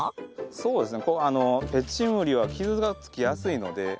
そうですね。